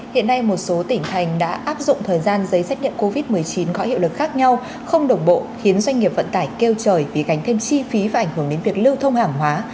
hiện nay một số tỉnh thành đã áp dụng thời gian giấy xét nghiệm covid một mươi chín có hiệu lực khác nhau không đồng bộ khiến doanh nghiệp vận tải kêu trời vì gánh thêm chi phí và ảnh hưởng đến việc lưu thông hàng hóa